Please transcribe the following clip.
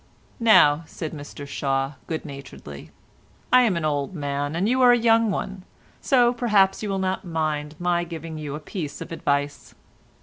"Now," said Mr Shaw good naturedly, "I am an old man and you are a young one, so perhaps you'll not mind my giving you a piece of advice.